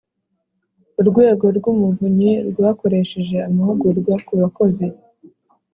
Urwego rw Umuvunyi rwakoresheje amahugurwa ku bakozi